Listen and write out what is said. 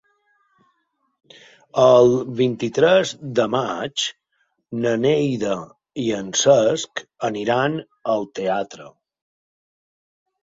El vint-i-tres de maig na Neida i en Cesc aniran al teatre.